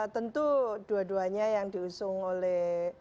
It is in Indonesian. tentu dua duanya yang diusung oleh